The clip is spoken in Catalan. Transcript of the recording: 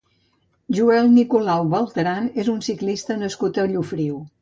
Joel Nicolau Beltrán és un ciclista nascut a Llofriu.